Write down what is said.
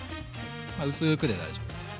まあ薄くで大丈夫です。